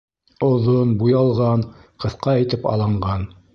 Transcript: Оҙон, буялған, ҡыҫҡа итеп алынған.